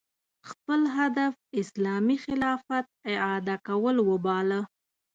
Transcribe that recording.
خپل هدف اسلامي خلافت اعاده کول وباله